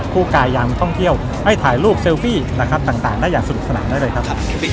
กายยางท่องเที่ยวให้ถ่ายรูปเซลฟี่นะครับต่างได้อย่างสนุกสนานได้เลยครับ